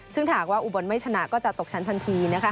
ซึ่งหากว่าอุบลไม่ชนะก็จะตกชั้นทันที